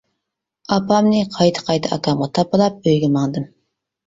ئاپامنى قايتا قايتا ئاكامغا تاپىلاپ ئۆيگە ماڭدىم.